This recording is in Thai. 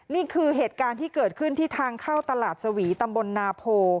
นี่คือเหตุการณ์ที่เกิดขึ้นที่ทางเข้าตลาดสวีตำบลนาโพ